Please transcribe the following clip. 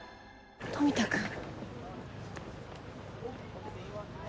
富田くん